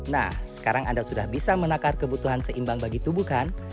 nah sekarang anda sudah bisa menakar kebutuhan seimbang bagi tubuh kan